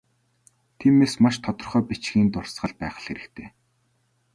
Тиймээс, маш тодорхой бичгийн дурсгал байх л хэрэгтэй.